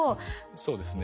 そうですね